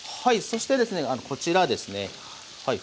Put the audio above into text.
そしてですねこちらですねはい。